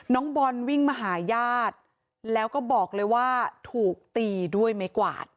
น้องบอลวิ่งมาหาญาติแล้วก็บอกเลยว่าถูกตีด้วยไม้กวาด